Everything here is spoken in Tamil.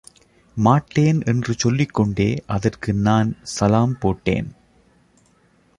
மாட்டேன் என்று சொல்லிக்கொண்டே அதற்கு நான் ஸலாம் போட்டேன்.